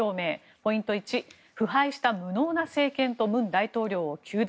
ポイント１腐敗した無能な政権と文在寅大統領を糾弾。